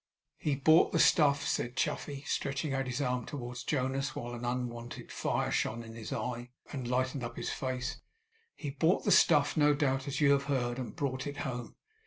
'He bought the stuff,' said Chuffey, stretching out his arm towards Jonas while an unwonted fire shone in his eye, and lightened up his face; 'he bought the stuff, no doubt, as you have heard, and brought it home.